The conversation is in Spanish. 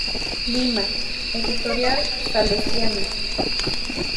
Lima: Editorial Salesiana.